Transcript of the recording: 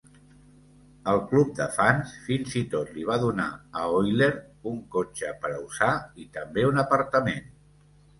El club de fans fins i tot li va donar a Oyler un cotxe per a usar i també un apartament.